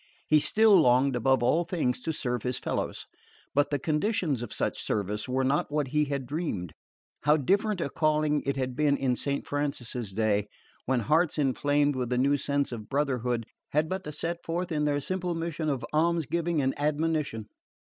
He still longed above all things to serve his fellows; but the conditions of such service were not what he had dreamed. How different a calling it had been in Saint Francis's day, when hearts inflamed with the new sense of brotherhood had but to set forth on their simple mission of almsgiving and admonition!